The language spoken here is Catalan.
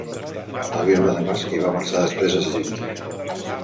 Va viure a Damasc i va marxar després a Egipte.